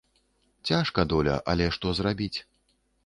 Цяжка доля, але што зрабіць?